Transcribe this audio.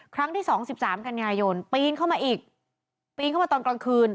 ครั้งที่สองสิบสามกันยายนปีนเข้ามาอีกปีนเข้ามาตอนกลางคืน